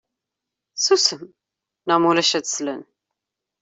Ssusem neɣ ma ulac ad d-slen.